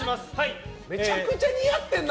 めちゃくちゃ似合ってるな。